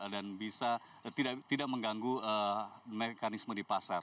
dan bisa tidak mengganggu mekanisme di pasar